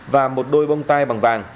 và một đôi bông tai bằng vàng